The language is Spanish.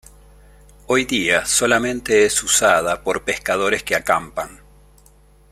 Hoy día solamente es usada por pescadores que acampan.